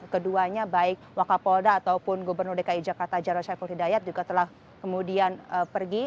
keduanya baik wakafolda ataupun gobernur dki jakarta jaro syafud hidayat juga telah kemudian pergi